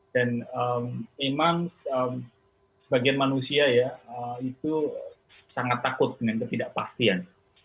dan memang sebagian manusia ya itu sangat takut dengan ketidakpastian